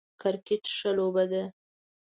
کرکټ ښه لوبه ده